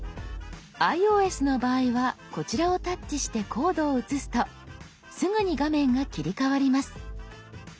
ｉＯＳの場合はこちらをタッチしてコードを写すとすぐに画面が切り替わります。